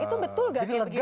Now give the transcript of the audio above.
itu betul gak kayak begitu